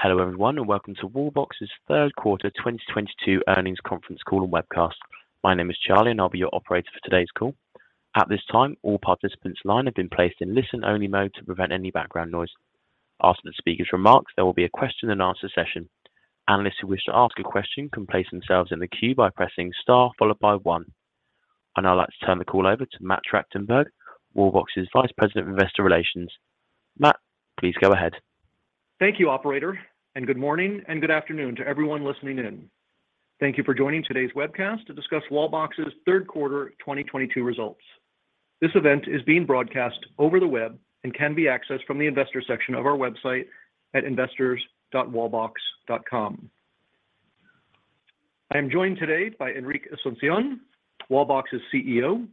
Hello everyone, and welcome to Wallbox's third quarter 2022 earnings conference call and webcast. My name is Charlie, and I'll be your operator for today's call. At this time, all participants' lines have been placed in listen-only mode to prevent any background noise. After the speaker's remarks, there will be a question and answer session. Analysts who wish to ask a question can place themselves in the queue by pressing star followed by one. I'd now like to turn the call over to Matthew Tractenberg, Wallbox's Vice President of Investor Relations. Matt, please go ahead. Thank you, operator, and good morning and good afternoon to everyone listening in. Thank you for joining today's webcast to discuss Wallbox's third quarter 2022 results. This event is being broadcast over the web and can be accessed from the investor section of our website at investors.wallbox.com. I am joined today by Enric Asunción, Wallbox's CEO,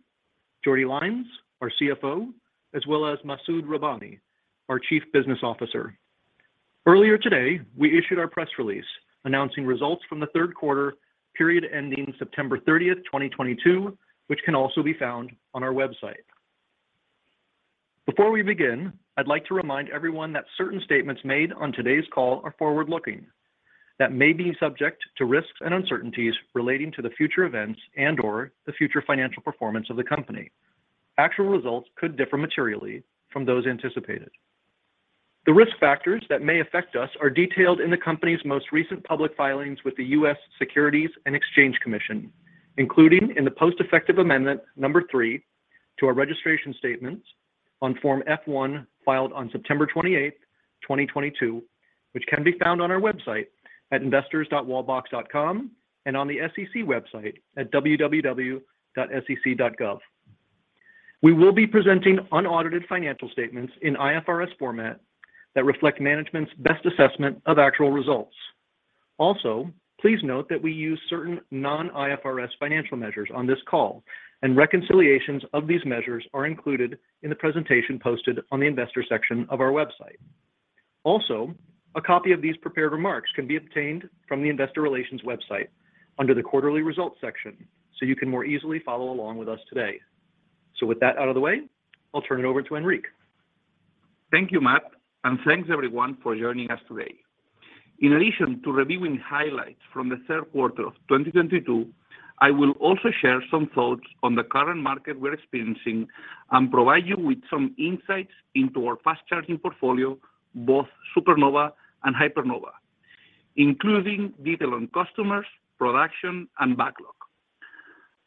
Jordi Lainz, our CFO, as well as Masud Rabbani, our Chief Business Officer. Earlier today, we issued our press release announcing results from the third quarter period ending September 30, 2022, which can also be found on our website. Before we begin, I'd like to remind everyone that certain statements made on today's call are forward-looking, that may be subject to risks and uncertainties relating to the future events and/or the future financial performance of the company. Actual results could differ materially from those anticipated. The risk factors that may affect us are detailed in the company's most recent public filings with the U.S. Securities and Exchange Commission, including in the post-effective amendment number three to our registration statements on Form F-1 filed on September 28, 2022, which can be found on our website at investors.wallbox.com and on the SEC website at www.sec.gov. We will be presenting unaudited financial statements in IFRS format that reflect management's best assessment of actual results. Also, please note that we use certain non-IFRS financial measures on this call, and reconciliations of these measures are included in the presentation posted on the investor section of our website. Also, a copy of these prepared remarks can be obtained from the investor relations website under the Quarterly Results section, so you can more easily follow along with us today. With that out of the way, I'll turn it over to Enric. Thank you, Matt, and thanks everyone for joining us today. In addition to reviewing highlights from the third quarter of 2022, I will also share some thoughts on the current market we're experiencing and provide you with some insights into our fast charging portfolio, both Supernova and Hypernova, including detail on customers, production, and backlog.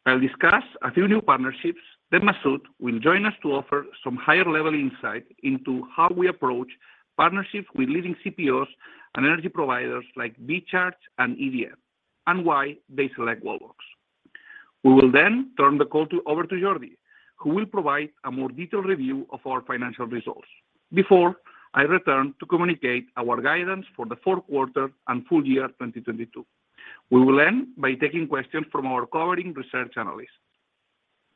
I'll discuss a few new partnerships, then Masud will join us to offer some higher level insight into how we approach partnerships with leading CPOs and energy providers like VCharge and EDF, and why they select Wallbox. We will then turn the call over to Jordi, who will provide a more detailed review of our financial results before I return to communicate our guidance for the fourth quarter and full year 2022. We will end by taking questions from our covering research analysts.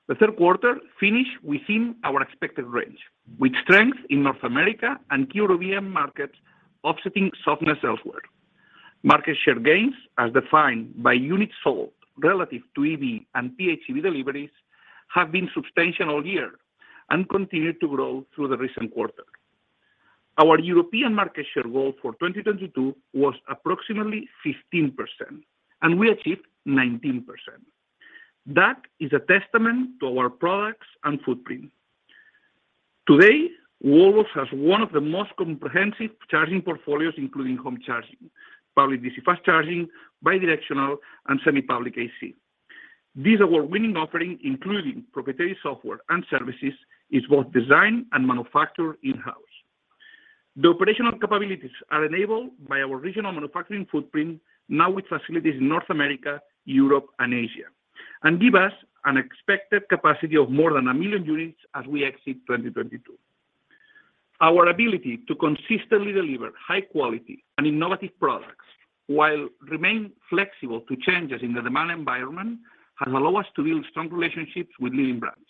The third quarter finished within our expected range, with strength in North America and European markets offsetting softness elsewhere. Market share gains, as defined by units sold relative to EV and PHEV deliveries, have been substantial all year and continued to grow through the recent quarter. Our European market share goal for 2022 was approximately 15%, and we achieved 19%. That is a testament to our products and footprint. Today, Wallbox has one of the most comprehensive charging portfolios, including home charging, public DC fast charging, bidirectional, and semi-public AC. These award-winning offerings, including proprietary software and services, are both designed and manufactured in-house. The operational capabilities are enabled by our regional manufacturing footprint, now with facilities in North America, Europe, and Asia, and give us an expected capacity of more than a million units as we exit 2022. Our ability to consistently deliver high quality and innovative products while remain flexible to changes in the demand environment has allowed us to build strong relationships with leading brands.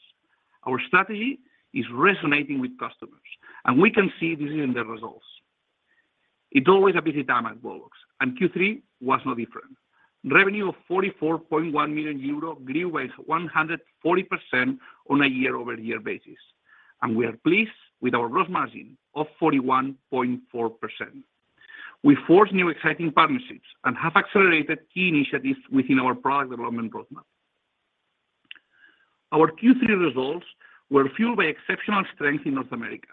Our strategy is resonating with customers, and we can see this in the results. It's always a busy time at Wallbox, and Q3 was no different. Revenue of 44.1 million euro grew by 140% on a year-over-year basis, and we are pleased with our gross margin of 41.4%. We forged new exciting partnerships and have accelerated key initiatives within our product development roadmap. Our Q3 results were fueled by exceptional strength in North America,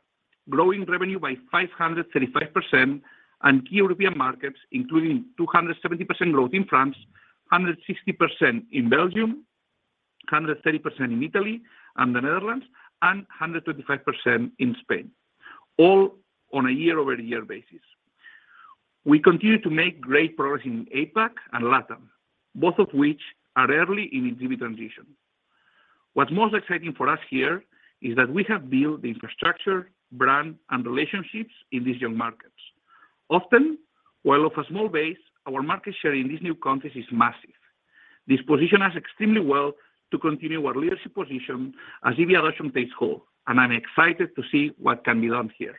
growing revenue by 535% and key European markets, including 270% growth in France, 160% in Belgium, 130% in Italy and the Netherlands, and 125% in Spain, all on a year-over-year basis. We continue to make great progress in APAC and LATAM, both of which are early in EV transition. What's most exciting for us here is that we have built the infrastructure, brand, and relationships in these young markets. Often, while of a small base, our market share in these new countries is massive. This positions us extremely well to continue our leadership position as EV adoption takes hold, and I'm excited to see what can be done here.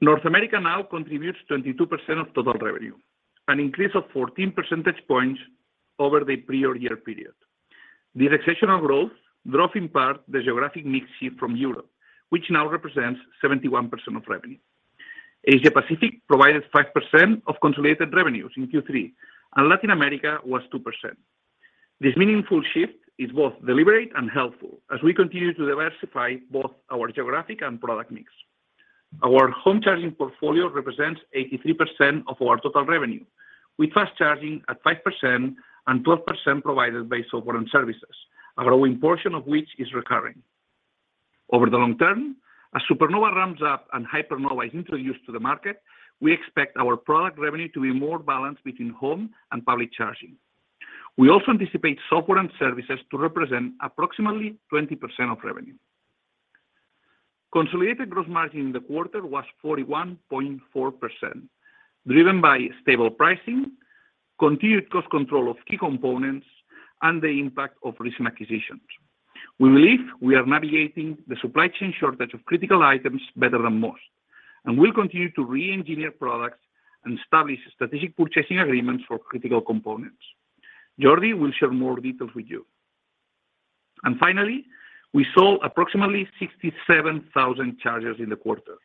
North America now contributes 22% of total revenue, an increase of 14 percentage points over the prior year period. The exceptional growth drove in part the geographic mix shift from Europe, which now represents 71% of revenue. Asia Pacific provided 5% of consolidated revenues in Q3, and Latin America was 2%. This meaningful shift is both deliberate and helpful as we continue to diversify both our geographic and product mix. Our home charging portfolio represents 83% of our total revenue, with fast charging at 5% and 12% provided by software and services, a growing portion of which is recurring. Over the long term, as Supernova ramps up and Hypernova is introduced to the market, we expect our product revenue to be more balanced between home and public charging. We also anticipate software and services to represent approximately 20% of revenue. Consolidated gross margin in the quarter was 41.4%, driven by stable pricing, continued cost control of key components, and the impact of recent acquisitions. We believe we are navigating the supply chain shortage of critical items better than most, and we'll continue to re-engineer products and establish strategic purchasing agreements for critical components. Jordi will share more details with you. Finally, we sold approximately 67,000 chargers in the quarter,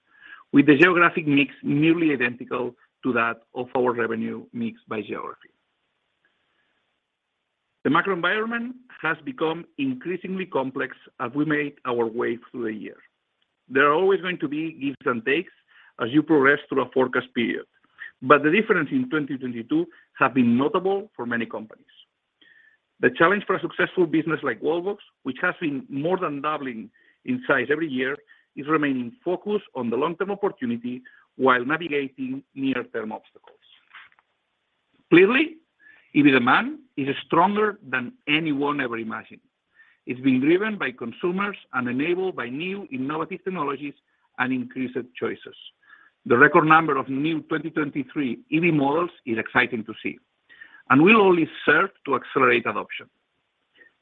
with the geographic mix nearly identical to that of our revenue mix by geography. The macro environment has become increasingly complex as we made our way through the year. There are always going to be gives and takes as you progress through a forecast period, but the difference in 2022 have been notable for many companies. The challenge for a successful business like Wallbox, which has been more than doubling in size every year, is remaining focused on the long-term opportunity while navigating near-term obstacles. Clearly, EV demand is stronger than anyone ever imagined. It's being driven by consumers and enabled by new innovative technologies and increased choices. The record number of new 2023 EV models is exciting to see and will only serve to accelerate adoption.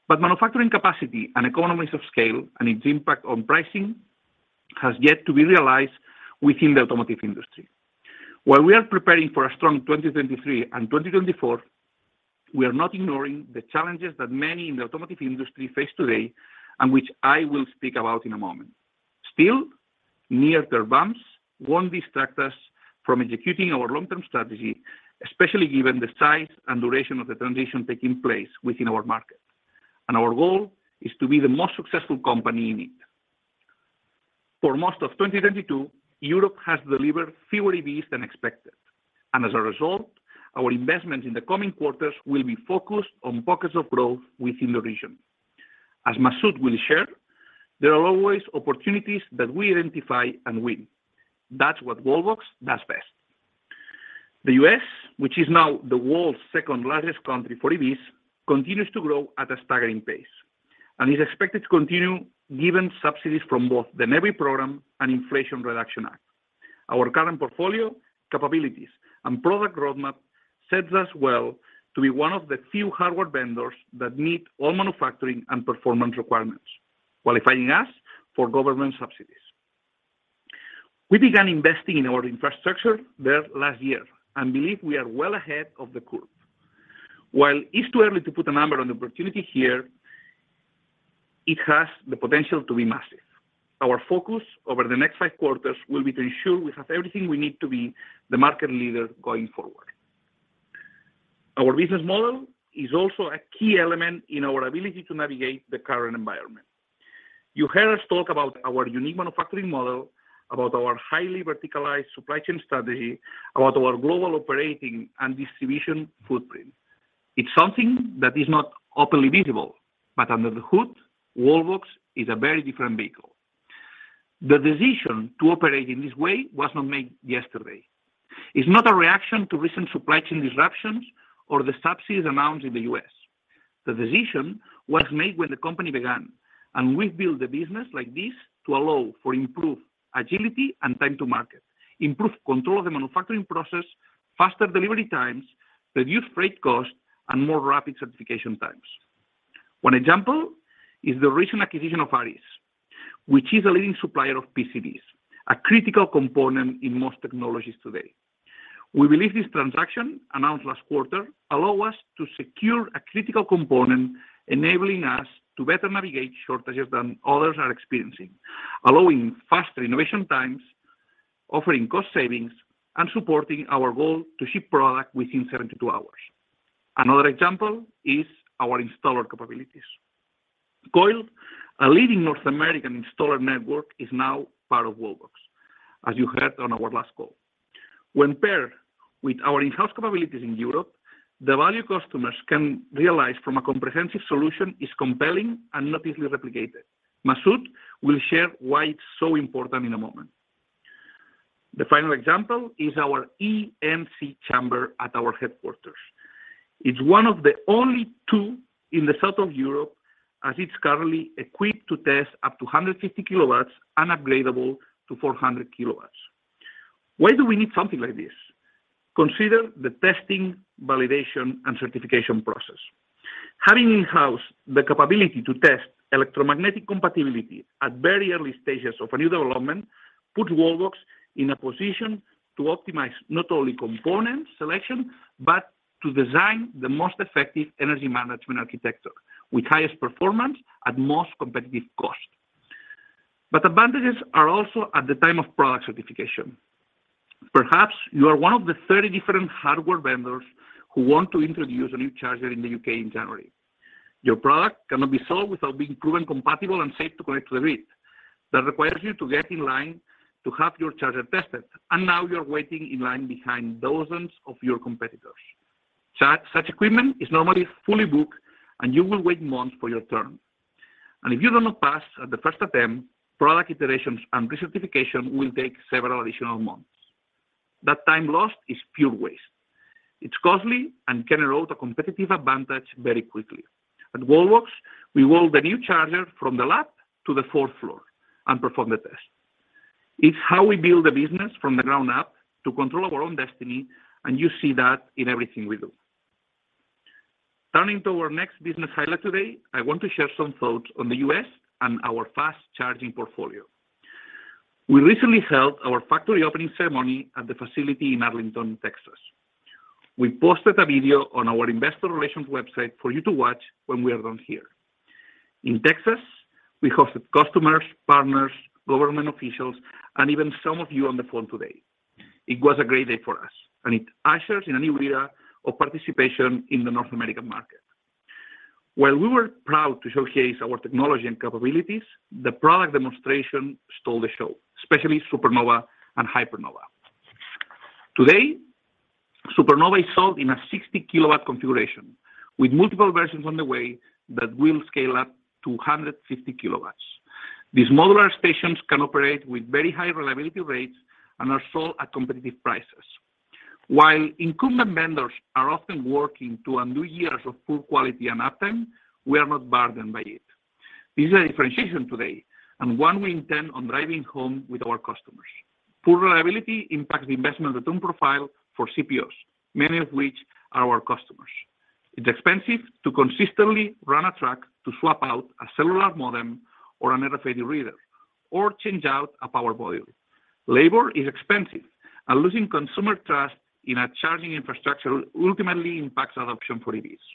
Manufacturing capacity and economies of scale, and its impact on pricing, has yet to be realized within the automotive industry. While we are preparing for a strong 2023 and 2024, we are not ignoring the challenges that many in the automotive industry face today and which I will speak about in a moment. Still, near-term bumps won't distract us from executing our long-term strategy, especially given the size and duration of the transition taking place within our market. Our goal is to be the most successful company in it. For most of 2022, Europe has delivered fewer EVs than expected. As a result, our investment in the coming quarters will be focused on pockets of growth within the region. As Masud will share, there are always opportunities that we identify and win. That's what Wallbox does best. The U.S., which is now the world's second-largest country for EVs, continues to grow at a staggering pace, and is expected to continue given subsidies from both the NEVI program and Inflation Reduction Act. Our current portfolio, capabilities, and product roadmap sets us well to be one of the few hardware vendors that meet all manufacturing and performance requirements, qualifying us for government subsidies. We began investing in our infrastructure there last year and believe we are well ahead of the curve. While it's too early to put a number on the opportunity here, it has the potential to be massive. Our focus over the next five quarters will be to ensure we have everything we need to be the market leader going forward. Our business model is also a key element in our ability to navigate the current environment. You heard us talk about our unique manufacturing model, about our highly verticalized supply chain strategy, about our global operating and distribution footprint. It's something that is not openly visible, but under the hood, Wallbox is a very different vehicle. The decision to operate in this way was not made yesterday. It's not a reaction to recent supply chain disruptions or the subsidies announced in the U.S. The decision was made when the company began, and we built a business like this to allow for improved agility and time to market, improve control of the manufacturing process, faster delivery times, reduced freight costs, and more rapid certification times. One example is the recent acquisition of Asees, which is a leading supplier of PCBs, a critical component in most technologies today. We believe this transaction, announced last quarter, allow us to secure a critical component, enabling us to better navigate shortages that others are experiencing, allowing faster innovation times, offering cost savings, and supporting our goal to ship product within 72 hours. Another example is our installer capabilities. COIL, a leading North American installer network, is now part of Wallbox, as you heard on our last call. When paired with our in-house capabilities in Europe, the value customers can realize from a comprehensive solution is compelling and not easily replicated. Masud will share why it's so important in a moment. The final example is our EMC chamber at our headquarters. It's one of the only two in the south of Europe, as it's currently equipped to test up to 150 kW and upgradable to 400 kW. Why do we need something like this? Consider the testing, validation, and certification process. Having in-house the capability to test electromagnetic compatibility at very early stages of a new development put Wallbox in a position to optimize not only component selection, but to design the most effective energy management architecture with highest performance at most competitive cost. Advantages are also at the time of product certification. Perhaps you are one of the thirty different hardware vendors who want to introduce a new charger in the U.K. in January. Your product cannot be sold without being proven compatible and safe to connect to the grid. That requires you to get in line to have your charger tested, and now you're waiting in line behind dozens of your competitors. Such equipment is normally fully booked, and you will wait months for your turn. If you do not pass at the first attempt, product iterations and recertification will take several additional months. That time lost is pure waste. It's costly and can erode a competitive advantage very quickly. At Wallbox, we roll the new charger from the lab to the fourth floor and perform the test. It's how we build a business from the ground up to control our own destiny, and you see that in everything we do. Turning to our next business highlight today, I want to share some thoughts on the U.S. and our fast charging portfolio. We recently held our factory opening ceremony at the facility in Arlington, Texas. We posted a video on our investor relations website for you to watch when we are done here. In Texas, we hosted customers, partners, government officials, and even some of you on the phone today. It was a great day for us, and it ushers in a new era of participation in the North American market. While we were proud to showcase our technology and capabilities, the product demonstration stole the show, especially Supernova and Hypernova. Today, Supernova is sold in a 60 kW configuration with multiple versions on the way that will scale up to 150 kW. These modular stations can operate with very high reliability rates and are sold at competitive prices. While incumbent vendors are often working to undo years of poor quality and uptime, we are not burdened by it. This is a differentiation today and one we intend on driving home with our customers. Poor reliability impacts the investment return profile for CPOs, many of which are our customers. It's expensive to consistently run a truck to swap out a cellular modem or an RFID reader or change out a power module. Labor is expensive, and losing consumer trust in a charging infrastructure ultimately impacts adoption for EVs.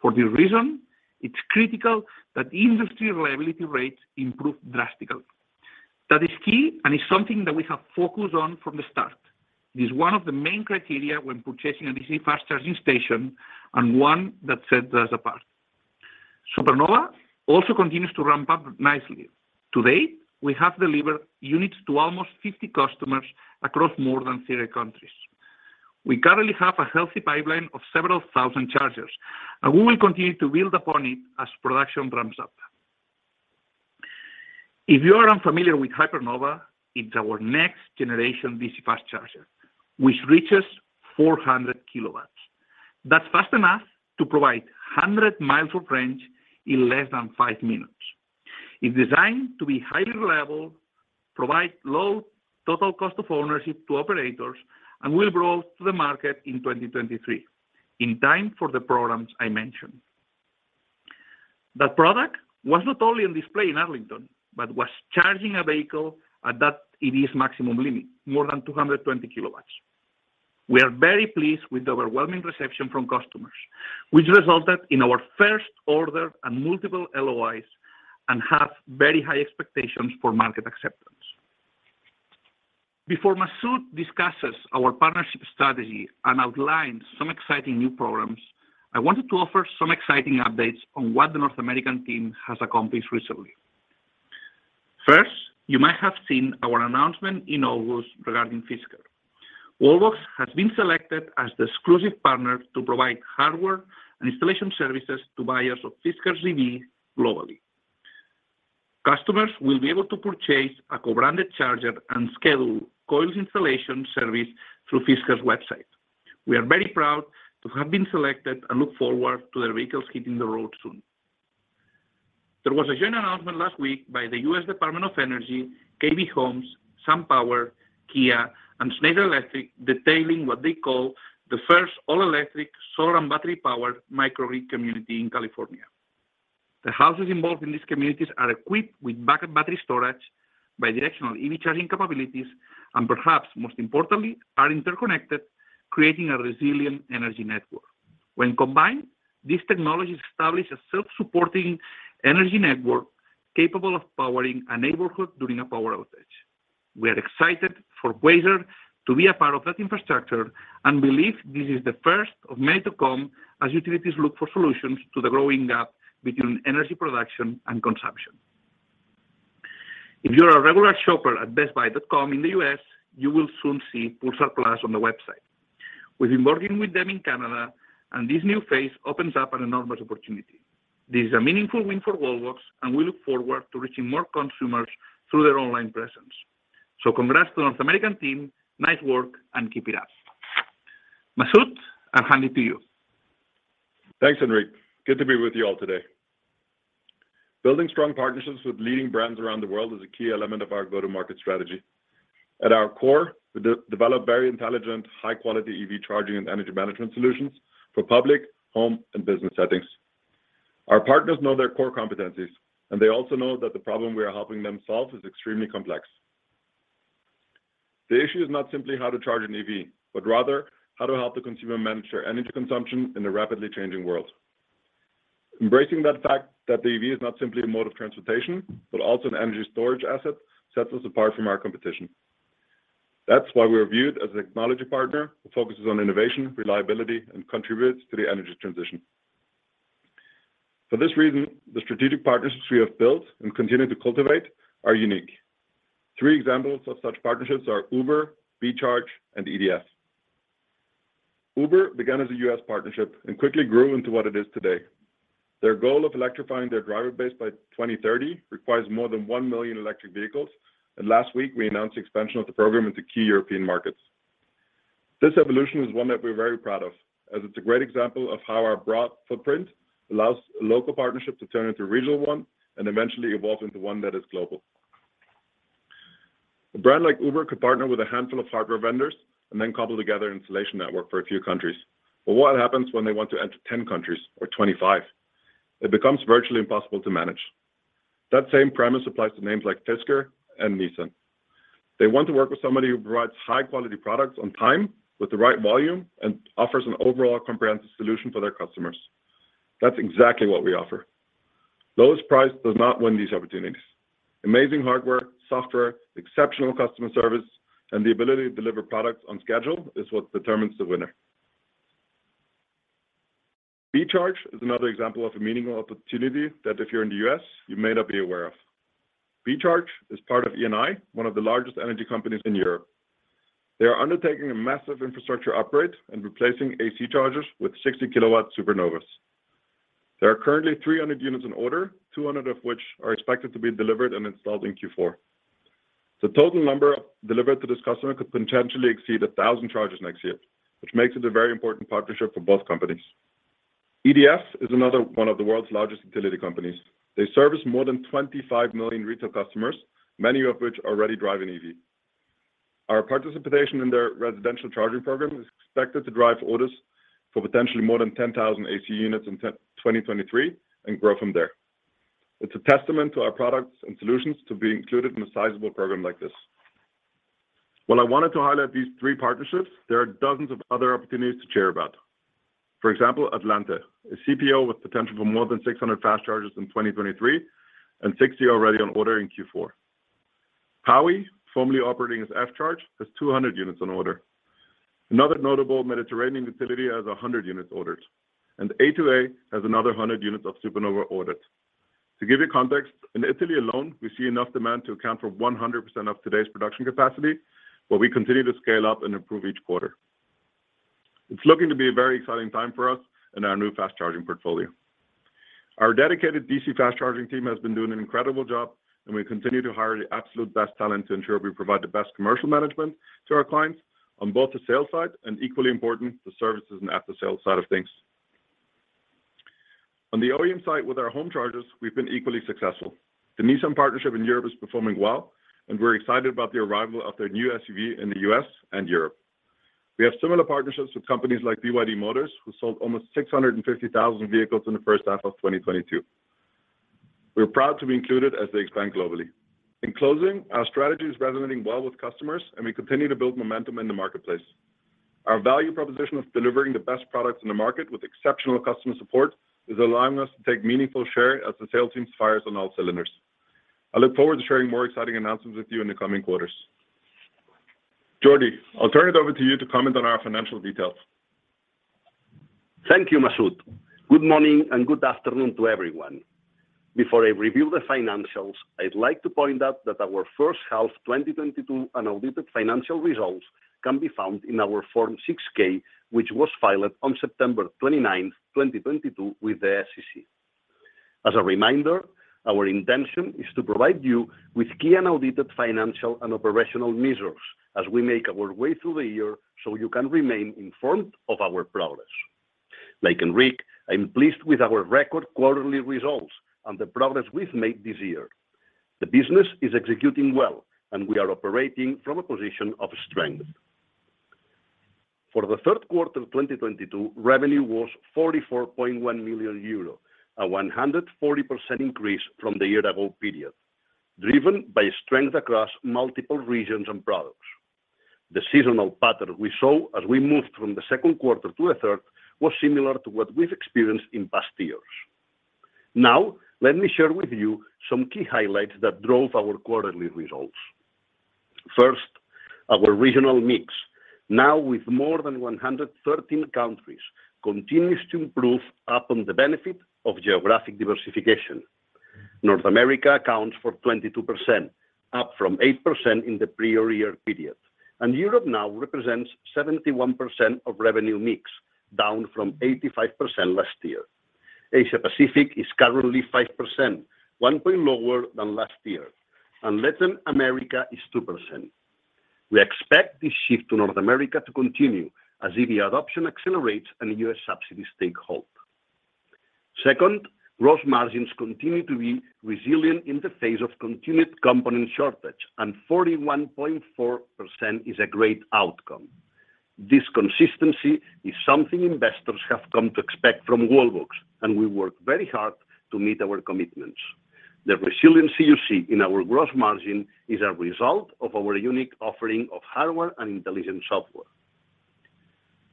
For this reason, it's critical that industry reliability rates improve drastically. That is key, and it's something that we have focused on from the start. It is one of the main criteria when purchasing an EV fast charging station and one that sets us apart. Supernova also continues to ramp up nicely. To date, we have delivered units to almost 50 customers across more than 30 countries. We currently have a healthy pipeline of several thousand chargers, and we will continue to build upon it as production ramps up. If you are unfamiliar with Hypernova, it's our next-generation DC fast charger, which reaches 400 kW. That's fast enough to provide 100 mi of range in less than five minutes. It's designed to be highly reliable, provide low total cost of ownership to operators, and will roll out to the market in 2023, in time for the programs I mentioned. That product was not only on display in Arlington but was charging a vehicle at that EV's maximum limit, more than 220 kW. We are very pleased with the overwhelming reception from customers, which resulted in our first order and multiple LOIs and have very high expectations for market acceptance. Before Masud discusses our partnership strategy and outlines some exciting new programs, I wanted to offer some exciting updates on what the North American team has accomplished recently. First, you might have seen our announcement in August regarding Fisker. Wallbox has been selected as the exclusive partner to provide hardware and installation services to buyers of Fisker's EV globally. Customers will be able to purchase a co-branded charger and schedule COIL's installation service through Fisker's website. We are very proud to have been selected and look forward to their vehicles hitting the road soon. There was a joint announcement last week by the U.S. Department of Energy, KB Home, SunPower, Kia, and Schneider Electric detailing what they call the first all-electric solar and battery-powered microgrid community in California. The houses involved in these communities are equipped with backup battery storage, bidirectional EV charging capabilities, and perhaps most importantly, are interconnected, creating a resilient energy network. When combined, these technologies establish a self-supporting energy network capable of powering a neighborhood during a power outage. We are excited for Wallbox to be a part of that infrastructure and believe this is the first of many to come as utilities look for solutions to the growing gap between energy production and consumption. If you're a regular shopper at Best Buy.com in the U.S., you will soon see Pulsar Plus on the website. We've been working with them in Canada, and this new phase opens up an enormous opportunity. This is a meaningful win for Wallbox, and we look forward to reaching more consumers through their online presence. Congrats to the North American team. Nice work, and keep it up. Masud, I'll hand it to you. Thanks, Enric. Good to be with you all today. Building strong partnerships with leading brands around the world is a key element of our go-to-market strategy. At our core, we develop very intelligent, high-quality EV charging and energy management solutions for public, home, and business settings. Our partners know their core competencies, and they also know that the problem we are helping them solve is extremely complex. The issue is not simply how to charge an EV, but rather how to help the consumer manage their energy consumption in a rapidly changing world. Embracing the fact that the EV is not simply a mode of transportation, but also an energy storage asset, sets us apart from our competition. That's why we are viewed as a technology partner who focuses on innovation, reliability, and contributes to the energy transition. For this reason, the strategic partnerships we have built and continue to cultivate are unique. Three examples of such partnerships are Uber, Be Charge, and EDF. Uber began as a U.S. partnership and quickly grew into what it is today. Their goal of electrifying their driver base by 2030 requires more than one million electric vehicles, and last week, we announced the expansion of the program into key European markets. This evolution is one that we're very proud of, as it's a great example of how our broad footprint allows a local partnership to turn into a regional one and eventually evolve into one that is global. A brand like Uber could partner with a handful of hardware vendors and then cobble together an installation network for a few countries. What happens when they want to enter 10 countries or 25? It becomes virtually impossible to manage. That same premise applies to names like Fisker and Nissan. They want to work with somebody who provides high-quality products on time with the right volume and offers an overall comprehensive solution for their customers. That's exactly what we offer. Lowest price does not win these opportunities. Amazing hardware, software, exceptional customer service, and the ability to deliver products on schedule is what determines the winner. Be Charge is another example of a meaningful opportunity that if you're in the U.S., you may not be aware of. Be Charge is part of Eni, one of the largest energy companies in Europe. They are undertaking a massive infrastructure upgrade and replacing AC chargers with 60 kW Supernovas. There are currently 300 units in order, 200 of which are expected to be delivered and installed in Q4. The total number delivered to this customer could potentially exceed 1,000 chargers next year, which makes it a very important partnership for both companies. EDF is another one of the world's largest utility companies. They service more than 25 million retail customers, many of which already drive an EV. Our participation in their residential charging program is expected to drive orders for potentially more than 10,000 AC units in 2023 and grow from there. It's a testament to our products and solutions to be included in a sizable program like this. While I wanted to highlight these three partnerships, there are dozens of other opportunities to share about. For example, Atlante, a CPO with potential for more than 600 fast chargers in 2023 and 60 already on order in Q4. Powy, formerly operating as TheF Charging, has 200 units on order. Another notable Mediterranean utility has 100 units ordered, and A2A has another 100 units of Supernova ordered. To give you context, in Italy alone, we see enough demand to account for 100% of today's production capacity, but we continue to scale up and improve each quarter. It's looking to be a very exciting time for us and our new fast charging portfolio. Our dedicated DC fast charging team has been doing an incredible job, and we continue to hire the absolute best talent to ensure we provide the best commercial management to our clients on both the sales side, and equally important, the services and after-sales side of things. On the OEM side with our home chargers, we've been equally successful. The Nissan partnership in Europe is performing well, and we're excited about the arrival of their new SUV in the U.S. and Europe. We have similar partnerships with companies like BYD Auto, who sold almost 650,000 vehicles in the first half of 2022. We're proud to be included as they expand globally. In closing, our strategy is resonating well with customers, and we continue to build momentum in the marketplace. Our value proposition of delivering the best products in the market with exceptional customer support is allowing us to take meaningful share as the sales team fires on all cylinders. I look forward to sharing more exciting announcements with you in the coming quarters. Jordi, I'll turn it over to you to comment on our financial details. Thank you, Masud. Good morning and good afternoon to everyone. Before I review the financials, I'd like to point out that our first half 2022 unaudited financial results can be found in our Form 6-K, which was filed on September 29th, 2022 with the SEC. As a reminder, our intention is to provide you with key unaudited financial and operational measures as we make our way through the year, so you can remain informed of our progress. Like Enric, I'm pleased with our record quarterly results and the progress we've made this year. The business is executing well, and we are operating from a position of strength. For the third quarter of 2022, revenue was 44.1 million euros, a 100% increase from the year-ago period, driven by strength across multiple regions and products. The seasonal pattern we saw as we moved from the second quarter to the third was similar to what we've experienced in past years. Now, let me share with you some key highlights that drove our quarterly results. First, our regional mix now with more than 113 countries continues to improve upon the benefit of geographic diversification. North America accounts for 22%, up from 8% in the prior year period. Europe now represents 71% of revenue mix, down from 85% last year. Asia Pacific is currently 5%, one point lower than last year. Latin America is 2%. We expect this shift to North America to continue as EV adoption accelerates and U.S. subsidies take hold. Second, gross margins continue to be resilient in the face of continued component shortage, and 41.4% is a great outcome. This consistency is something investors have come to expect from Wallbox, and we work very hard to meet our commitments. The resiliency you see in our gross margin is a result of our unique offering of hardware and intelligent software.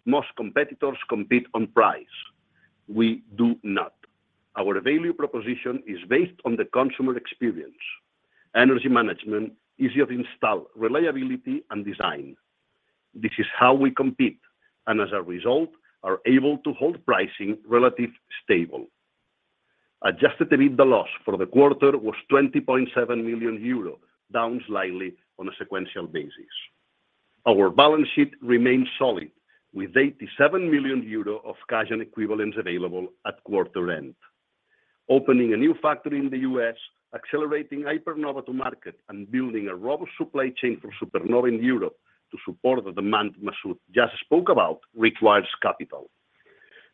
Most competitors compete on price. We do not. Our value proposition is based on the consumer experience, energy management, ease of install, reliability, and design. This is how we compete, and as a result, are able to hold pricing relatively stable. Adjusted EBITDA loss for the quarter was 20.7 million euro, down slightly on a sequential basis. Our balance sheet remains solid, with 87 million euro of cash and equivalents available at quarter end. Opening a new factory in the U.S., accelerating Hypernova to market, and building a robust supply chain for Supernova in Europe to support the demand Masud just spoke about requires capital.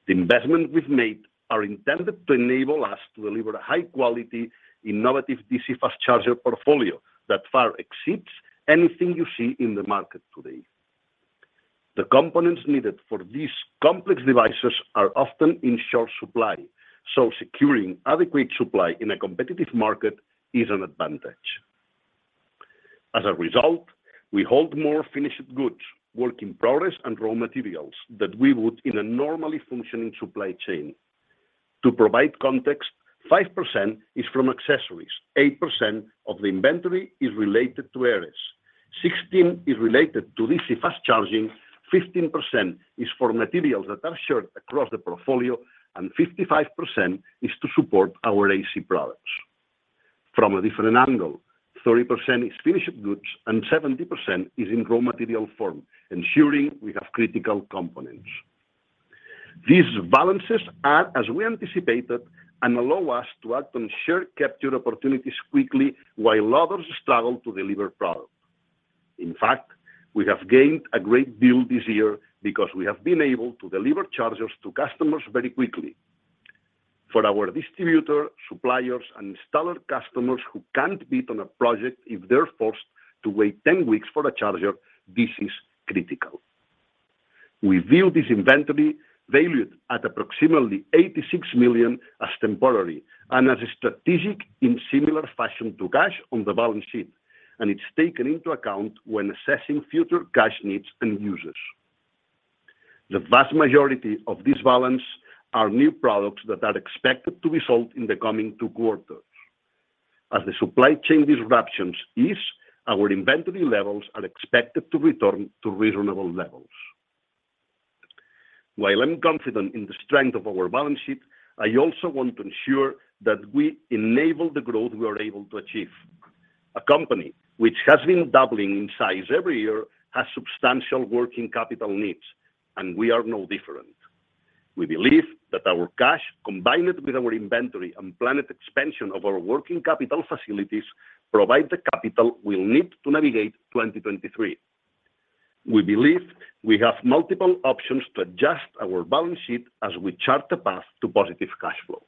The investments we've made are intended to enable us to deliver a high-quality, innovative DC fast charger portfolio that far exceeds anything you see in the market today. The components needed for these complex devices are often in short supply, so securing adequate supply in a competitive market is an advantage. As a result, we hold more finished goods, work in progress, and raw materials than we would in a normally functioning supply chain. To provide context, 5% is from accessories, 8% of the inventory is related to ARES, 16% is related to DC fast charging, 15% is for materials that are shared across the portfolio, and 55% is to support our AC products. From a different angle, 30% is finished goods and 70% is in raw material form, ensuring we have critical components. These balances are as we anticipated, and allow us to act on share capture opportunities quickly while others struggle to deliver products. In fact, we have gained a great deal this year because we have been able to deliver chargers to customers very quickly. For our distributor, suppliers, and installer customers who can't bid on a project if they're forced to wait 10 weeks for a charger, this is critical. We view this inventory valued at approximately 86 million as temporary and as strategic in similar fashion to cash on the balance sheet, and it's taken into account when assessing future cash needs and uses. The vast majority of this balance are new products that are expected to be sold in the coming two quarters. As the supply chain disruptions ease, our inventory levels are expected to return to reasonable levels. While I'm confident in the strength of our balance sheet, I also want to ensure that we enable the growth we are able to achieve. A company which has been doubling in size every year has substantial working capital needs, and we are no different. We believe that our cash, combined with our inventory and planned expansion of our working capital facilities, provide the capital we'll need to navigate 2023. We believe we have multiple options to adjust our balance sheet as we chart the path to positive cash flow.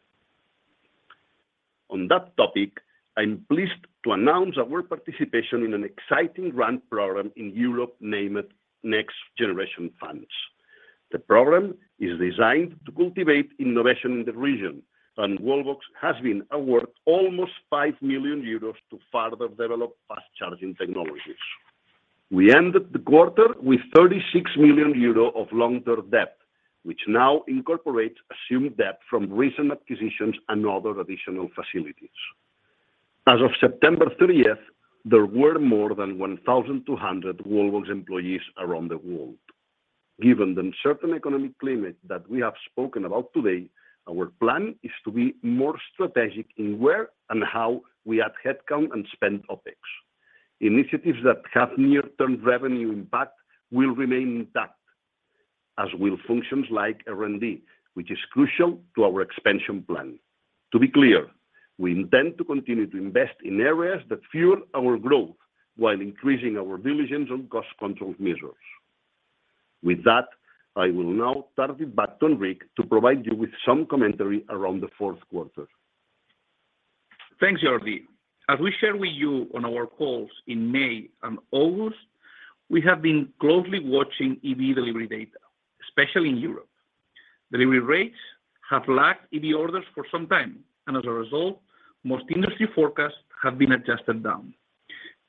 On that topic, I'm pleased to announce our participation in an exciting grant program in Europe named NextGenerationEU. The program is designed to cultivate innovation in the region, and Wallbox has been awarded almost 5 million euros to further develop fast charging technologies. We ended the quarter with 36 million euro of long-term debt, which now incorporates assumed debt from recent acquisitions and other additional facilities. As of September 30th, there were more than 1,200 Wallbox employees around the world. Given the uncertain economic climate that we have spoken about today, our plan is to be more strategic in where and how we add headcount and spend OpEx. Initiatives that have near-term revenue impact will remain intact, as will functions like R&D, which is crucial to our expansion plan. To be clear, we intend to continue to invest in areas that fuel our growth while increasing our diligence on cost control measures. With that, I will now turn it back to Enric to provide you with some commentary around the fourth quarter. Thanks, Jordi. As we shared with you on our calls in May and August, we have been closely watching EV delivery data, especially in Europe. Delivery rates have lagged EV orders for some time, and as a result, most industry forecasts have been adjusted down.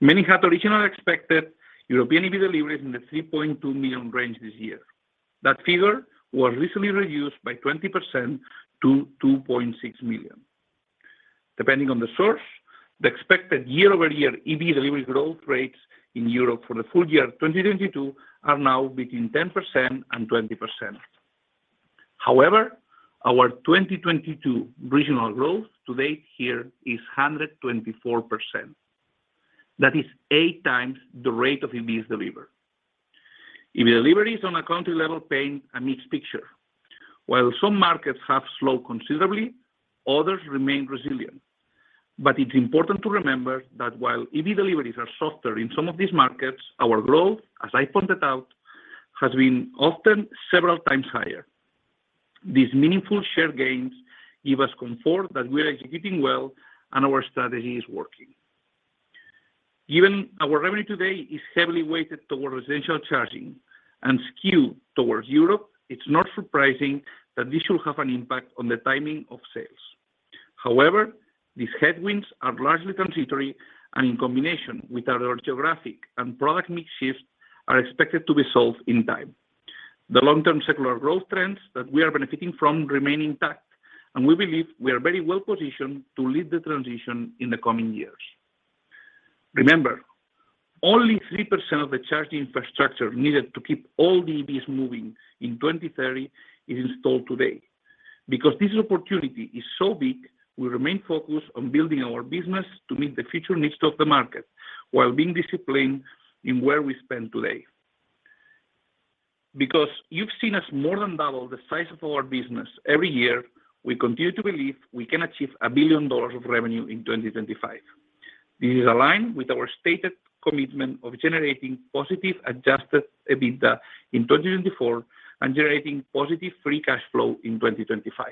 Many had originally expected European EV deliveries in the 3.2 million range this year. That figure was recently reduced by 20% to 2.6 million. Depending on the source, the expected year-over-year EV delivery growth rates in Europe for the full year 2022 are now between 10% and 20%. However, our 2022 regional growth to date here is 124%. That is eight times the rate of EVs delivered. EV deliveries on a country level paint a mixed picture. While some markets have slowed considerably, others remain resilient. It's important to remember that while EV deliveries are softer in some of these markets, our growth, as I pointed out, has been often several times higher. These meaningful share gains give us comfort that we are executing well and our strategy is working. Given our revenue today is heavily weighted towards essential charging and skewed towards Europe, it's not surprising that this will have an impact on the timing of sales. However, these headwinds are largely transitory, and in combination with our geographic and product mix shift, are expected to be solved in time. The long-term secular growth trends that we are benefiting from remain intact, and we believe we are very well positioned to lead the transition in the coming years. Remember, only 3% of the charging infrastructure needed to keep all EVs moving in 2030 is installed today. Because this opportunity is so big, we remain focused on building our business to meet the future needs of the market while being disciplined in where we spend today. Because you've seen us more than double the size of our business every year, we continue to believe we can achieve $1 billion of revenue in 2025. This is aligned with our stated commitment of generating positive adjusted EBITDA in 2024 and generating positive free cash flow in 2025.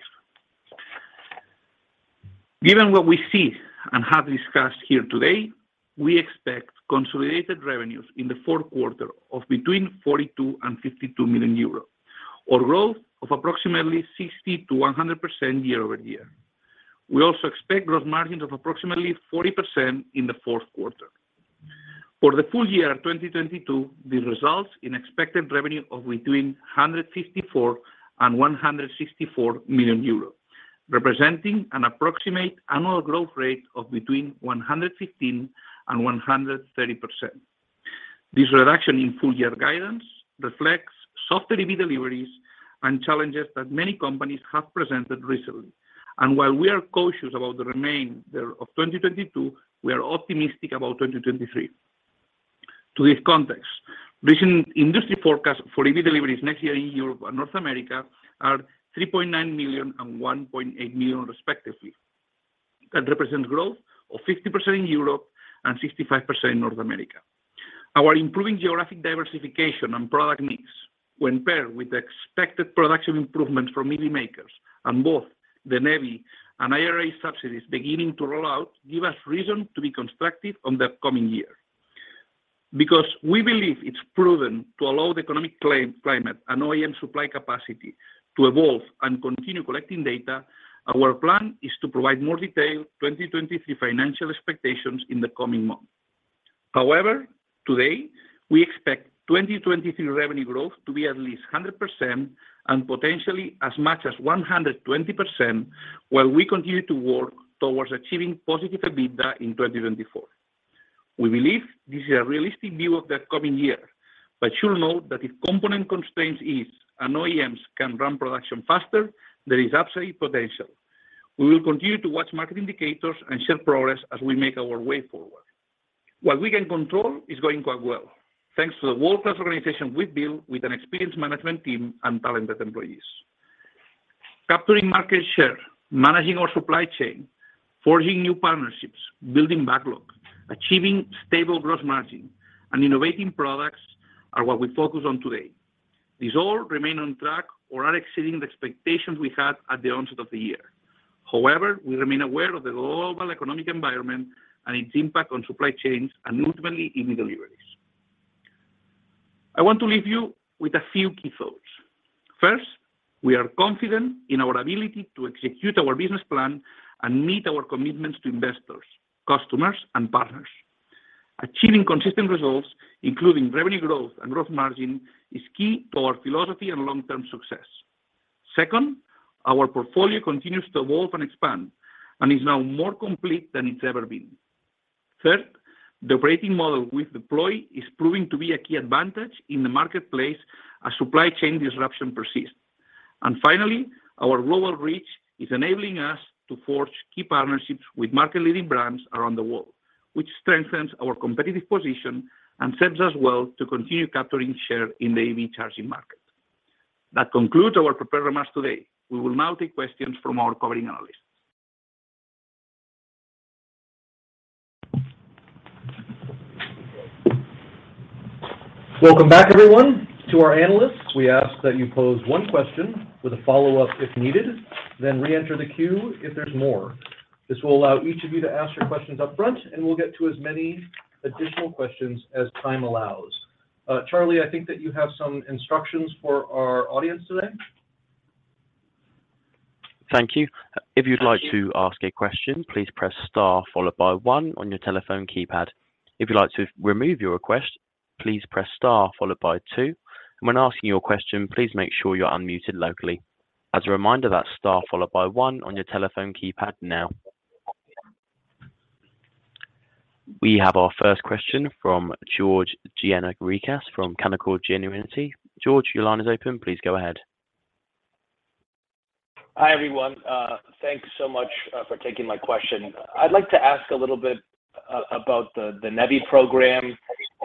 Given what we see and have discussed here today, we expect consolidated revenues in the fourth quarter of between 42 million and 52 million euros, or growth of approximately 60%-100% year-over-year. We also expect gross margins of approximately 40% in the fourth quarter. For the full year 2022, these result in expected revenue of between 154 million and 164 million euros, representing an approximate annual growth rate of between 115% and 130%. This reduction in full-year guidance reflects softer EV deliveries and challenges that many companies have presented recently. While we are cautious about the remainder of 2022, we are optimistic about 2023. To give context, recent industry forecast for EV deliveries next year in Europe and North America are 3.9 million and 1.8 million, respectively. That represents growth of 50% in Europe and 65% in North America. Our improving geographic diversification and product mix, when paired with expected production improvements from EV makers and both the NEVI and IRA subsidies beginning to roll out, give us reason to be constructive on the coming year. Because we believe it's prudent to allow the economic climate and OEM supply capacity to evolve and continue collecting data, our plan is to provide more detailed 2023 financial expectations in the coming months. However, today, we expect 2023 revenue growth to be at least 100% and potentially as much as 120% while we continue to work towards achieving positive EBITDA in 2024. We believe this is a realistic view of the coming year, but you'll note that if component constraints ease and OEMs can ramp production faster, there is upside potential. We will continue to watch market indicators and share progress as we make our way forward. What we can control is going quite well, thanks to the world-class organization we've built with an experienced management team and talented employees. Capturing market share, managing our supply chain, forging new partnerships, building backlog, achieving stable gross margin, and innovating products are what we focus on today. These all remain on track or are exceeding the expectations we had at the onset of the year. However, we remain aware of the global economic environment and its impact on supply chains and ultimately EV deliveries. I want to leave you with a few key thoughts. First, we are confident in our ability to execute our business plan and meet our commitments to investors, customers, and partners. Achieving consistent results, including revenue growth and gross margin, is key to our philosophy and long-term success. Second, our portfolio continues to evolve and expand and is now more complete than it's ever been. Third, the operating model we've deployed is proving to be a key advantage in the marketplace as supply chain disruption persists. Finally, our global reach is enabling us to forge key partnerships with market-leading brands around the world, which strengthens our competitive position and sets us well to continue capturing share in the EV charging market. That concludes our prepared remarks today. We will now take questions from our covering analysts. Welcome back, everyone. To our analysts, we ask that you pose one question with a follow-up if needed, then reenter the queue if there's more. This will allow each of you to ask your questions up front, and we'll get to as many additional questions as time allows. Charlie, I think that you have some instructions for our audience today. Thank you. If you'd like to ask a question, please press star followed by one on your telephone keypad. If you'd like to remove your request, please press star followed by two. When asking your question, please make sure you're unmuted locally. As a reminder, that's star followed by one on your telephone keypad now. We have our first question from George Gianarikas from Canaccord Genuity. George, your line is open. Please go ahead. Hi, everyone. Thanks so much for taking my question. I'd like to ask a little bit about the NEVI program,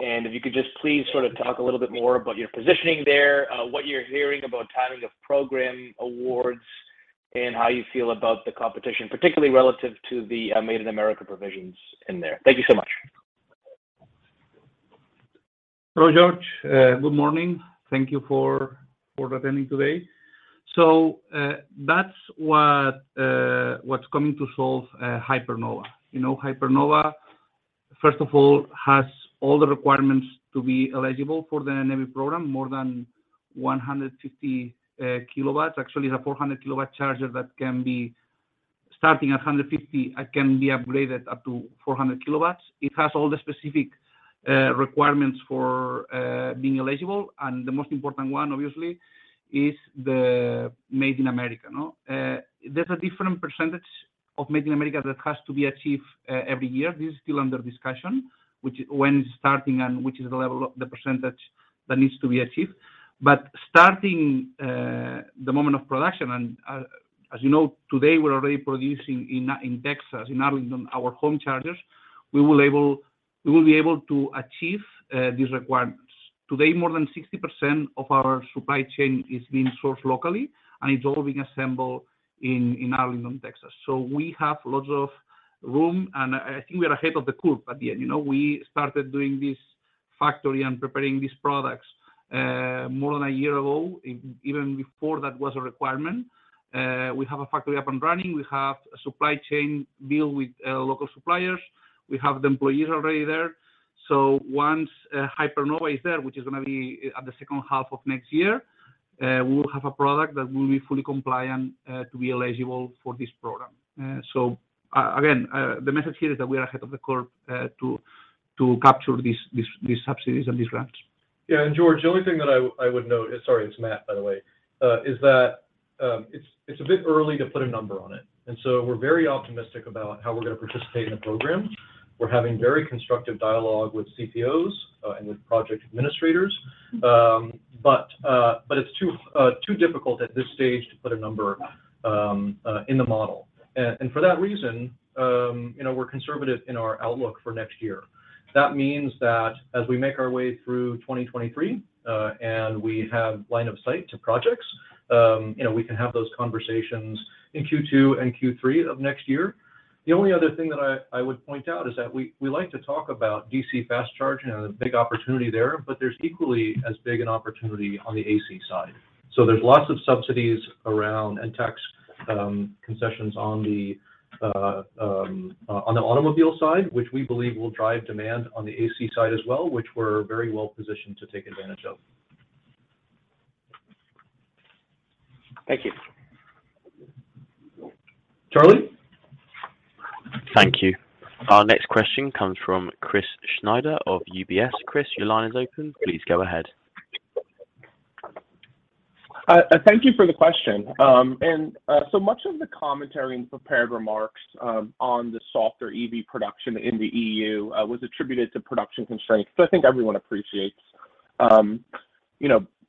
and if you could just please sort of talk a little bit more about your positioning there, what you're hearing about timing of program awards and how you feel about the competition, particularly relative to the Made in America provisions in there. Thank you so much. Hello, George. Good morning. Thank you for attending today. That's what's coming to solve Hypernova. You know, Hypernova, first of all, has all the requirements to be eligible for the NEVI program, more than 150 kW. Actually, it's a 400 kW charger that can be starting at 150 kW, and can be upgraded up to 400 kW. It has all the specific requirements for being eligible, and the most important one, obviously, is the Made in America, no? There's a different percentage of Made in America that has to be achieved every year. This is still under discussion, which when it's starting and which is the level of the percentage that needs to be achieved. Starting the moment of production, and as you know, today we're already producing in Texas, in Arlington, our home chargers. We will be able to achieve these requirements. Today, more than 60% of our supply chain is being sourced locally, and it's all being assembled in Arlington, Texas. We have lots of room, and I think we are ahead of the curve at the end. You know, we started doing this factory and preparing these products more than a year ago, even before that was a requirement. We have a factory up and running. We have a supply chain deal with local suppliers. We have the employees already there. Once Hypernova is there, which is gonna be at the second half of next year, we will have a product that will be fully compliant to be eligible for this program. Again, the message here is that we are ahead of the curve to capture these subsidies and these grants. Yeah, George, the only thing that I would note. Sorry, it's Matt, by the way. Is that it's a bit early to put a number on it. We're very optimistic about how we're gonna participate in the program. We're having very constructive dialogue with CPOs and with project administrators. But it's too difficult at this stage to put a number in the model. For that reason, you know, we're conservative in our outlook for next year. That means that as we make our way through 2023 and we have line of sight to projects, you know, we can have those conversations in Q2 and Q3 of next year. The only other thing that I would point out is that we like to talk about DC fast charging and the big opportunity there, but there's equally as big an opportunity on the AC side. There's lots of subsidies around and tax concessions on the automobile side, which we believe will drive demand on the AC side as well, which we're very well positioned to take advantage of. Thank you. Charlie? Thank you. Our next question comes from Chris Snyder of UBS. Chris, your line is open. Please go ahead. Thank you for the question. So much of the commentary and prepared remarks on the softer EV production in the EU was attributed to production constraints, which I think everyone appreciates.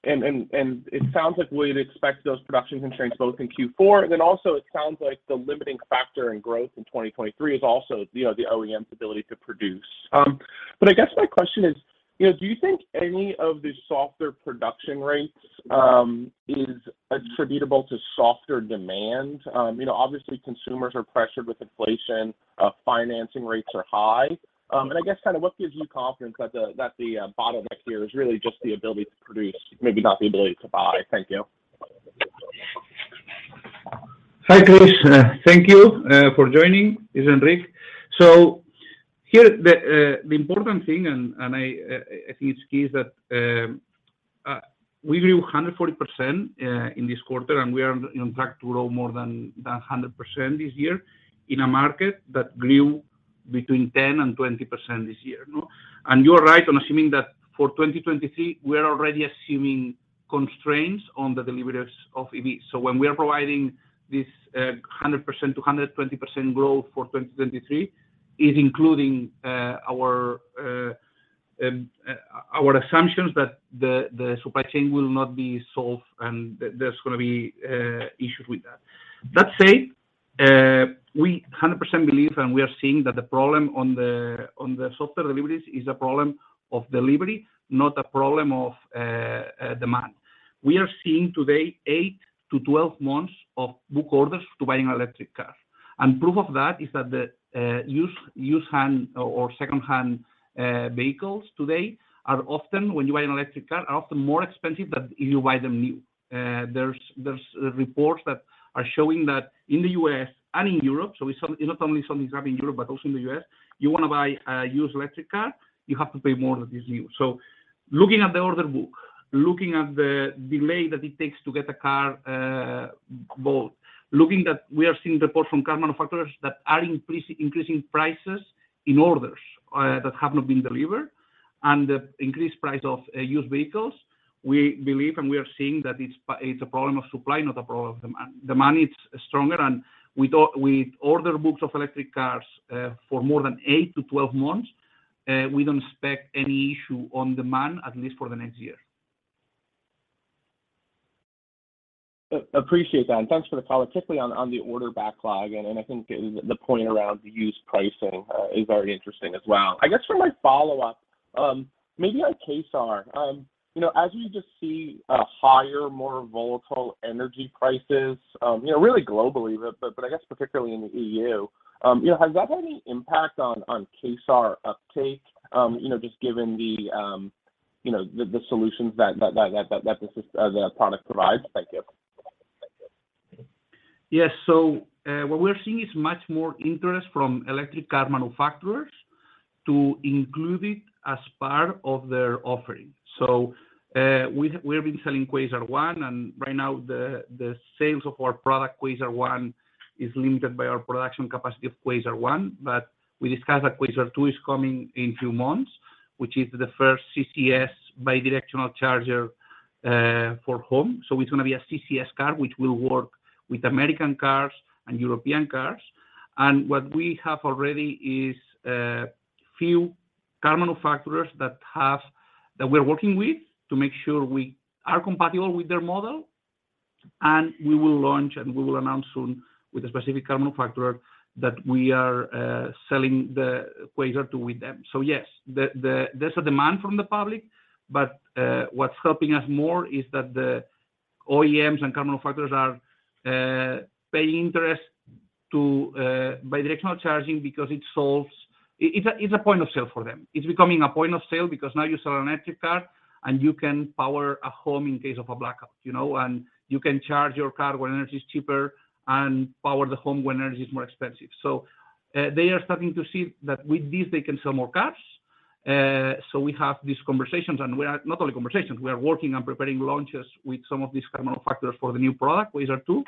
You know, it sounds like we'd expect those production constraints both in Q4, and then also it sounds like the limiting factor in growth in 2023 is also, you know, the OEM's ability to produce. But I guess my question is, you know, do you think any of the softer production rates is attributable to softer demand? You know, obviously consumers are pressured with inflation, financing rates are high. I guess kind of what gives you confidence that the bottleneck here is really just the ability to produce, maybe not the ability to buy? Thank you. Hi, Chris. Thank you for joining. This is Enric. Here, the important thing, and I think it's key is that we grew 140% in this quarter, and we are on track to grow more than 100% this year in a market that grew between 10% and 20% this year, no? You are right on assuming that for 2023, we are already assuming constraints on the deliveries of EVs. When we are providing this 100% to 120% growth for 2023, it's including our assumptions that the supply chain will not be solved and there's gonna be issues with that. That said, we 100% believe, and we are seeing that the problem on the softer deliveries is a problem of delivery, not a problem of demand. We are seeing today eight to 12 months of order book for buying electric cars. Proof of that is that the secondhand vehicles today are often more expensive than if you buy them new when you buy an electric car. There are reports that are showing that in the U.S. and in Europe, so not only in Europe, but also in the U.S., you wanna buy a used electric car, you have to pay more than if it's new. Looking at the order book, looking at the delay that it takes to get a car bought, looking that we are seeing reports from car manufacturers that are increasing prices in orders that have not been delivered, and the increased price of used vehicles, we believe and we are seeing that it's a problem of supply, not a problem of demand. Demand is stronger, and with order books of electric cars for more than eight to 12 months, we don't expect any issue on demand, at least for the next year. Appreciate that, and thanks for the color, particularly on the order backlog and I think the point around used pricing is very interesting as well. I guess for my follow-up, maybe on Quasar, you know, as we just see higher, more volatile energy prices, you know, really globally, but I guess particularly in the EU, you know, has that had any impact on Quasar uptake, you know, just given the solutions that the product provides? Thank you. Yes. What we're seeing is much more interest from electric car manufacturers to include it as part of their offering. We've been selling Quasar One, and right now the sales of our product, Quasar One, is limited by our production capacity of Quasar One. But we discussed that Quasar 2 is coming in two months, which is the first CCS bidirectional charger for home. It's gonna be a CCS car, which will work with American cars and European cars. What we have already is a few car manufacturers that we're working with to make sure we are compatible with their model. We will launch, and we will announce soon with a specific car manufacturer that we are selling the Quasar 2 with them. Yes, there's a demand from the public, but what's helping us more is that the OEMs and car manufacturers are paying attention to bidirectional charging because it solves. It's a point of sale for them. It's becoming a point of sale because now you sell an electric car, and you can power a home in case of a blackout, you know, and you can charge your car when energy is cheaper and power the home when energy is more expensive. They are starting to see that with this, they can sell more cars. We have these conversations, and we are working on preparing launches with some of these car manufacturers for the new product, Quasar 2.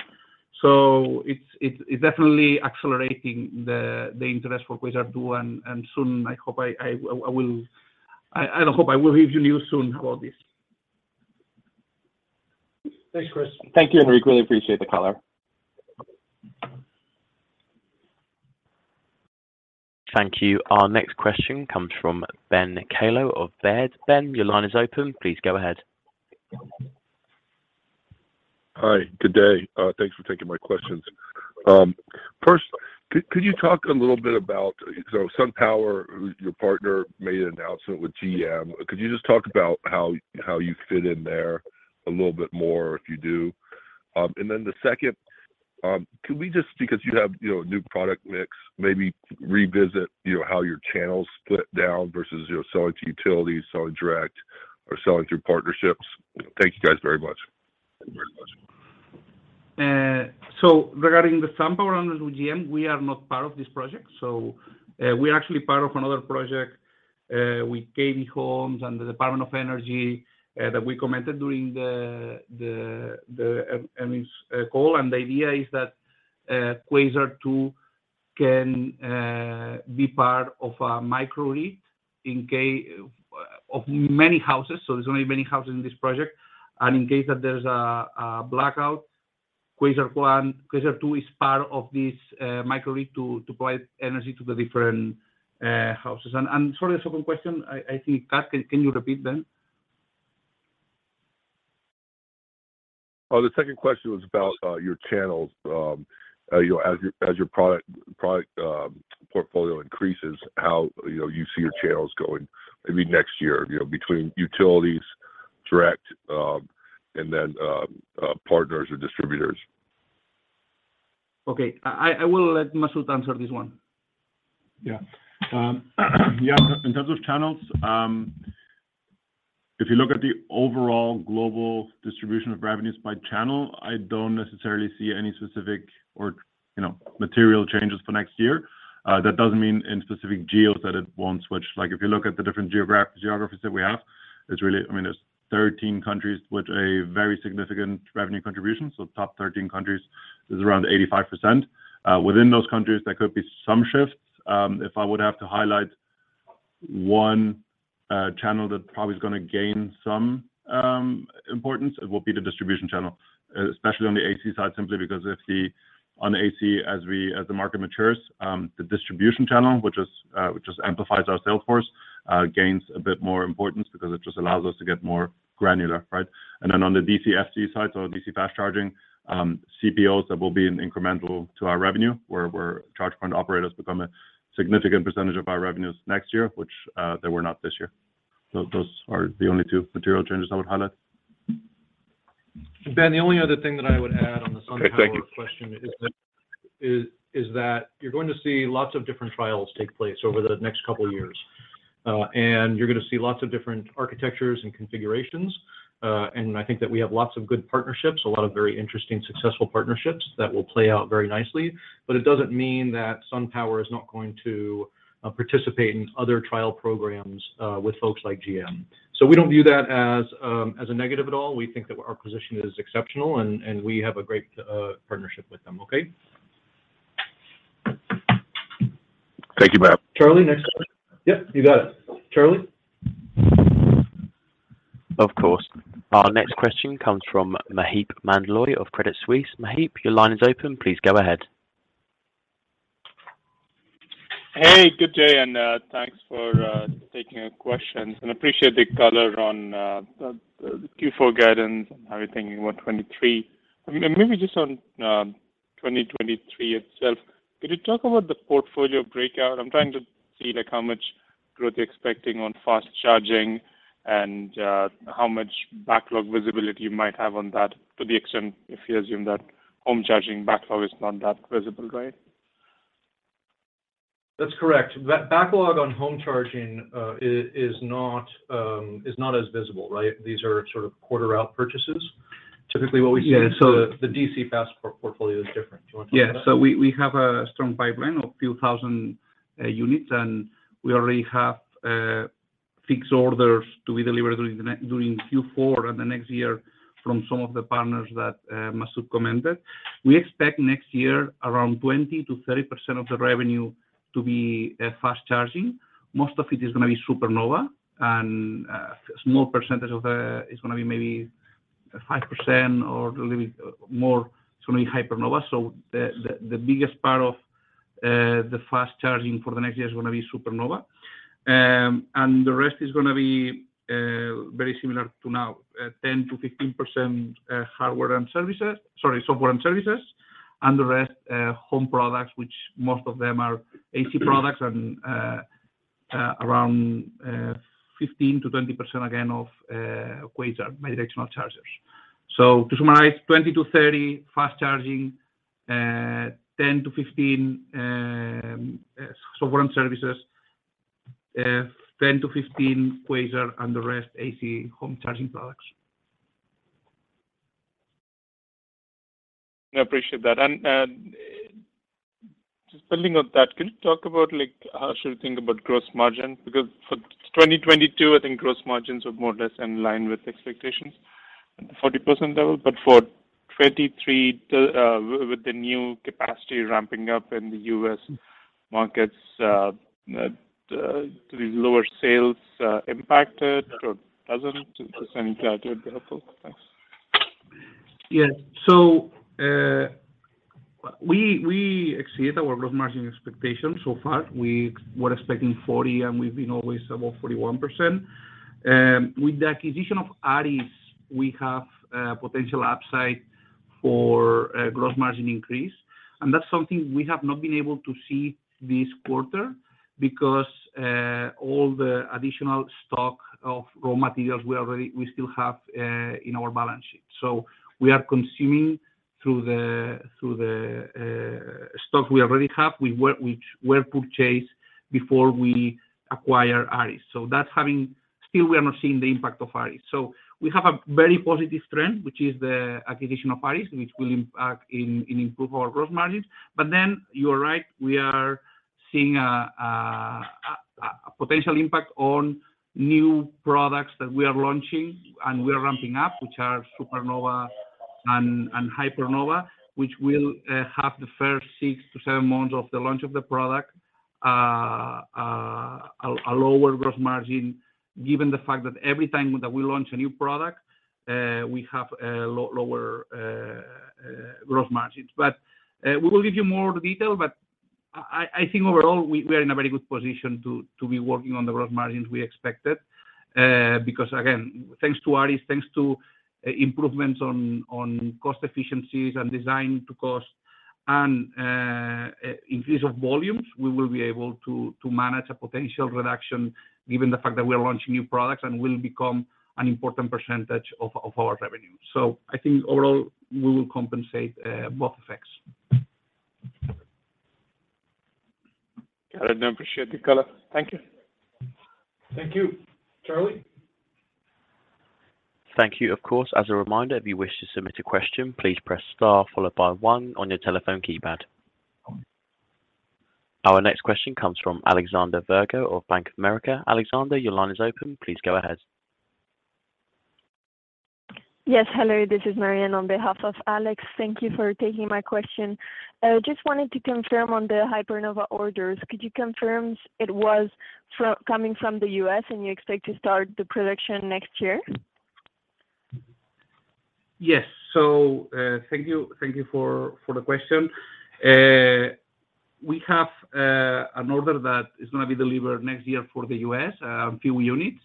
It's definitely accelerating the interest for Quasar 2, and soon I hope I will give you news soon about this. Thanks, Chris. Thank you, Enric. Really appreciate the color. Thank you. Our next question comes from Ben Kallo of Baird. Ben, your line is open. Please go ahead. Hi. Good day. Thanks for taking my questions. First, could you talk a little bit about, so SunPower, who's your partner, made an announcement with GM. Could you just talk about how you fit in there a little bit more, if you do? And then the second, could we just, because you have, you know, a new product mix, maybe revisit, you know, how your channels split down versus, you know, selling to utilities, selling direct, or selling through partnerships? Thank you guys very much. Thank you very much. Regarding the SunPower announcement with GM, we are not part of this project. We are actually part of another project with KB Home and the U.S. Department of Energy that we commented during the earnings call. The idea is that Quasar 2 can be part of a microgrid of many houses, so there's gonna be many houses in this project. In case that there's a blackout, Quasar 2 is part of this microgrid to provide energy to the different houses. Sorry, the second question, I think. Can you repeat, Ben? Oh, the second question was about your channels. You know, as your product portfolio increases, how you see your channels going maybe next year, you know, between utilities, direct, and then partners or distributors. Okay. I will let Masud answer this one. Yeah. Yeah, in terms of channels, if you look at the overall global distribution of revenues by channel, I don't necessarily see any specific or, you know, material changes for next year. That doesn't mean in specific geos that it won't switch. Like, if you look at the different geographies that we have, it's really, I mean, there's 13 countries with a very significant revenue contribution. So top 13 countries is around 85%. Within those countries, there could be some shifts. If I would have to highlight one, channel that probably is gonna gain some, importance, it will be the distribution channel, especially on the AC side, simply because if the On the AC, as we, as the market matures, the distribution channel, which just amplifies our sales force, gains a bit more importance because it just allows us to get more granular, right? Then on the DCFC side, DC fast charging, CPOs that will be an incremental to our revenue, where charge point operators become a significant percentage of our revenues next year, which they were not this year. Those are the only two material changes I would highlight. Ben, the only other thing that I would add on the SunPower question. Okay, thank you. Is that you're going to see lots of different trials take place over the next couple of years. You're gonna see lots of different architectures and configurations. I think that we have lots of good partnerships, a lot of very interesting, successful partnerships that will play out very nicely. It doesn't mean that SunPower is not going to participate in other trial programs with folks like GM. We don't view that as a negative at all. We think that our position is exceptional, and we have a great partnership with them, okay? Thank you, Matt. Charlie, next question. Yep, you got it. Charlie? Of course. Our next question comes from Maheep Mandloi of Credit Suisse. Maheep, your line is open. Please go ahead. Hey, good day, thanks for taking our questions and appreciate the color on the Q4 guidance and how you're thinking about 2023. Maybe just on 2023 itself, could you talk about the portfolio breakout? I'm trying to see, like, how much growth you're expecting on fast charging and how much backlog visibility you might have on that to the extent if you assume that home charging backlog is not that visible, right? That's correct. Backlog on home charging is not as visible, right? These are sort of quarter out purchases. Typically what we see. Yeah. The DC fast portfolio is different. Do you want to talk about it? We have a strong pipeline of a few thousand units, and we already have fixed orders to be delivered during Q4 and the next year from some of the partners that Masoud commented. We expect next year around 20%-30% of the revenue to be fast charging. Most of it is gonna be Supernova and a small percentage, it's gonna be maybe 5% or a little bit more, it's gonna be Hypernova. The biggest part of the fast charging for the next year is gonna be Supernova. The rest is gonna be very similar to now, 10%-15% hardware and services. Sorry, software and services, and the rest home products, which most of them are AC products and around 15%-20%, again, of Quasar bidirectional chargers. To summarize, 20%-30% fast charging, 10%-15% software and services, 10%-15% Quasar, and the rest AC home charging products. I appreciate that. Just building on that, can you talk about, like, how should we think about gross margin? Because for 2022, I think gross margins were more or less in line with expectations, 40% level. For 2023, with the new capacity ramping up in the U.S. markets, do these lower sales impact it or doesn't? Just any clarity would be helpful. Thanks. We exceeded our gross margin expectations so far. We were expecting 40, and we've been always above 41%. With the acquisition of ARES, we have potential upside for a gross margin increase. That's something we have not been able to see this quarter because all the additional stock of raw materials we still have in our balance sheet. We are consuming through the stock we already have, which we purchased before we acquired ARES. We are not seeing the impact of ARES. We have a very positive trend, which is the acquisition of ARES, which will impact, and improve our gross margins. You are right, we are seeing a potential impact on new products that we are launching and we are ramping up, which are Supernova and Hypernova, which will have the first six-seven months of the launch of the product, a lower gross margin, given the fact that every time that we launch a new product, we have a lower gross margins. We will give you more detail, but I think overall, we are in a very good position to be working on the growth margins we expected, because again, thanks to ARES, thanks to improvements on cost efficiencies and design to cost and increase of volumes, we will be able to manage a potential reduction, given the fact that we're launching new products and will become an important percentage of our revenue. I think overall, we will compensate both effects. Got it. No, appreciate the color. Thank you. Thank you. Charlie? Thank you. Of course, as a reminder, if you wish to submit a question, please press star followed by one on your telephone keypad. Our next question comes from Alexander Virgo of Bank of America. Alexander, your line is open. Please go ahead. Yes. Hello, this is Marianne on behalf of Alex. Thank you for taking my question. Just wanted to confirm on the Hypernova orders. Could you confirm it was coming from the U.S., and you expect to start the production next year? Yes. Thank you for the question. We have an order that is gonna be delivered next year for the U.S., a few units,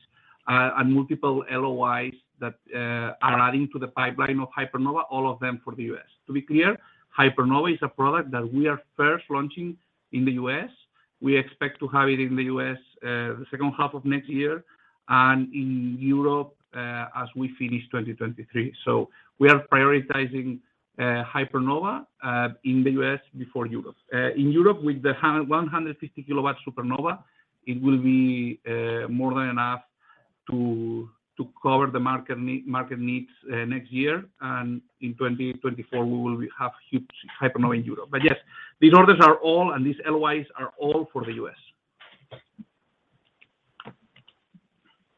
and multiple LOIs that are adding to the pipeline of Hypernova, all of them for the U.S. To be clear, Hypernova is a product that we are first launching in the U.S. We expect to have it in the U.S., the second half of next year and in Europe, as we finish 2023. We are prioritizing Hypernova in the U.S. before Europe. In Europe, with the 150 kW Supernova, it will be more than enough to cover the market needs next year. In 2024, we will have huge Hypernova in Europe. Yes, these orders are all, and these LOIs are all for the U.S.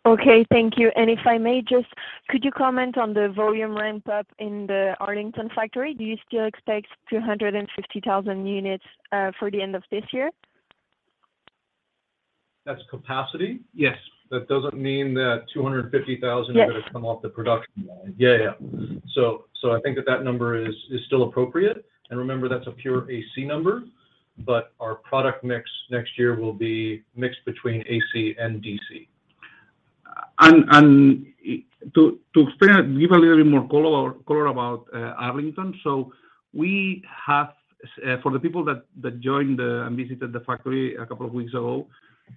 Okay. Thank you. Could you comment on the volume ramp-up in the Arlington factory? Do you still expect 250,000 units for the end of this year? That's capacity? Yes. That doesn't mean that 250,000- Yes Are gonna come off the production line. Yeah. I think that number is still appropriate. Remember, that's a pure AC number, but our product mix next year will be mixed between AC and DC. To expand, give a little bit more color about Arlington. We have for the people that joined and visited the factory a couple of weeks ago,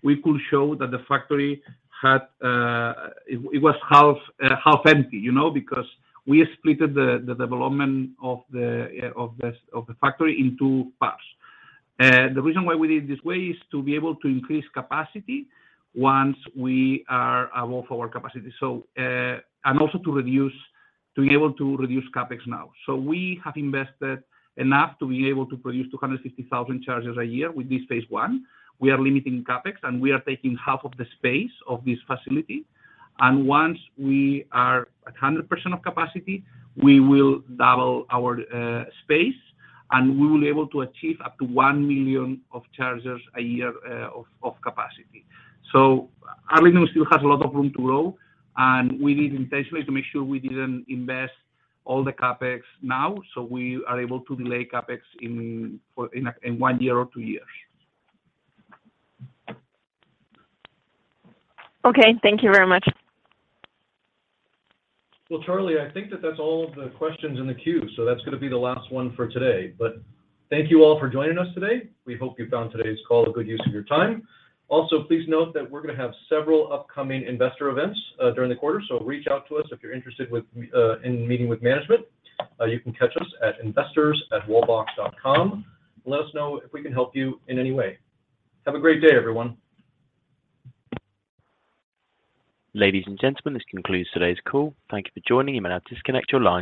we could show that the factory was half empty, you know? Because we split the development of the factory in two parts. The reason why we did it this way is to be able to increase capacity once we are full capacity, and also to be able to reduce CapEx now. We have invested enough to be able to produce 250,000 chargers a year with this phase one. We are limiting CapEx, and we are taking half of the space of this facility. Once we are at 100% of capacity, we will double our space, and we will able to achieve up to one million of chargers a year, of capacity. Arlington still has a lot of room to grow, and we did intentionally to make sure we didn't invest all the CapEx now, so we are able to delay CapEx in one year or two years. Okay. Thank you very much. Well, Charlie, I think that that's all of the questions in the queue, so that's gonna be the last one for today. Thank you all for joining us today. We hope you found today's call a good use of your time. Also, please note that we're gonna have several upcoming investor events during the quarter. Reach out to us if you're interested in meeting with management. You can catch us at investors@Wallbox.com. Let us know if we can help you in any way. Have a great day, everyone. Ladies and gentlemen, this concludes today's call. Thank you for joining. You may now disconnect your lines.